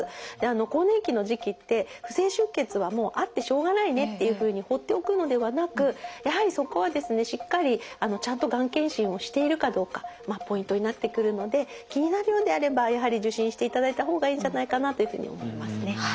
更年期の時期って不正出血はもうあってしょうがないねっていうふうにほっておくのではなくやはりそこはですねしっかりちゃんとがん検診をしているかどうかポイントになってくるので気になるようであればやはり受診していただいた方がいいんじゃないかなというふうに思いますね。